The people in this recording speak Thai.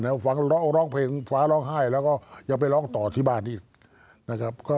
แล้วฟังร้องเพลงฟ้าร้องไห้แล้วก็ยังไปร้องต่อที่บ้านอีกนะครับ